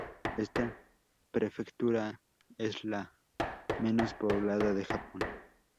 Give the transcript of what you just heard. Esta prefectura es la menos poblada de Japón.